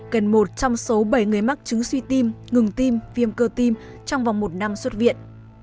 gần một trong số bảy người mắc chứng suy tim ngừng tim viêm cơ tim trong vòng một năm xuất viện